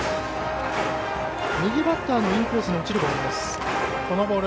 右バッターのインコース落ちるボール。